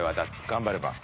頑張れば。